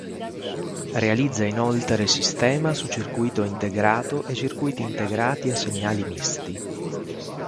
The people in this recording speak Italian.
Realizza inoltre sistema su circuito integrato e circuiti integrati a segnali misti.